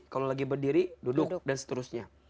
kalau lagi berdiri duduk dan seterusnya